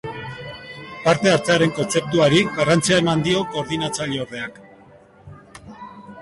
Parte-hartzearen kontzeptuari garrantzia eman dio koordinatzaileordeak.